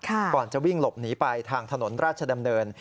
ก่อนจะวิ่งหลบหนีไปทางถนนราชดำเนิน